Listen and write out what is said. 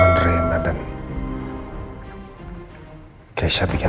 karena reina dan keisha membuat aku terus terusan kepikiran